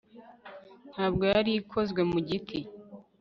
Ntabwo yari ikozwe mu giti